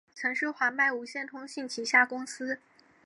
曾是华脉无线通信旗下公司。